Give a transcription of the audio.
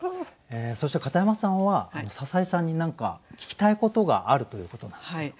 そして片山さんは篠井さんに何か聞きたいことがあるということなんですけど。